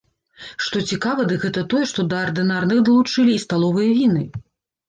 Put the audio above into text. Што цікава, дык гэта тое, што да ардынарных далучылі і сталовыя віны.